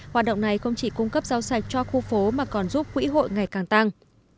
hoạt động này không chỉ cung cấp rau sạch cho khu phố mà còn giúp quỹ hội ngày càng tăng